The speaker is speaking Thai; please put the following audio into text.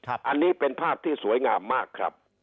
อันนี้เป็นภาพที่สวยงามมากครับ